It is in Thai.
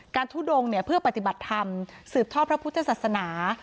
ทุดงเพื่อปฏิบัติธรรมสืบทอดพระพุทธศาสนา